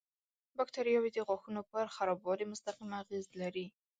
باکتریاوې د غاښونو پر خرابوالي مستقیم اغېز لري.